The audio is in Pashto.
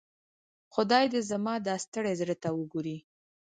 خدای دي زما دا ستړي زړۀ ته وګوري.